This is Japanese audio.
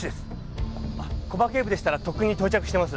木場警部でしたらとっくに到着してます。